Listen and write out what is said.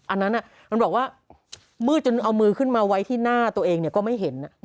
อันนั้นมันบอกว่ามืดจนเอามือขึ้นมาไว้ที่หน้าตัวเองก็ไม่เห็น